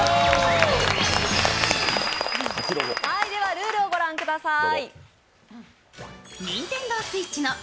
ルールをご覧ください。